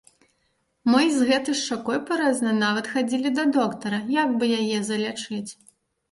Мы і з гэтай шчакой парэзанай нават хадзілі да доктара, як бы яе залячыць.